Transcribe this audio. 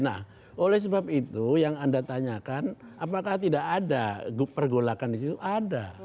nah oleh sebab itu yang anda tanyakan apakah tidak ada pergolakan di situ ada